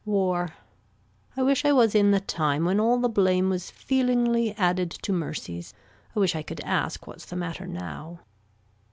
War. I wish I was in the time when all the blame was feelingly added to mercies. I wish I could ask what's the matter now.